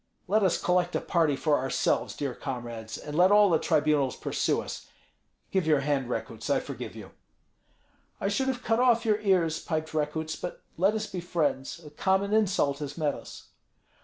Let us collect a party for ourselves, dear comrades, and let all the tribunals pursue us. Give your hand, Rekuts, I forgive you." "I should have cut off your ears," piped Rekuts; "but let us be friends, a common insult has met us."